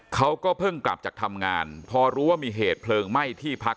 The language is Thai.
เขาก็เพิ่งกลับจากทำงานพอรู้ว่ามีเหตุเพลิงไหม้ที่พัก